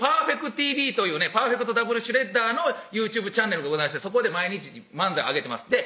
ＴＶというねパーフェクト・ダブル・シュレッダーのＹｏｕＴｕｂｅチャンネルがございましてそこで毎日漫才をあげてます